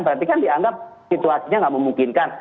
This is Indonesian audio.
berarti kan dianggap situasinya nggak memungkinkan